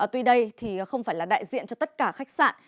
tuy đây thì không phải là đại diện cho tất cả khách sạn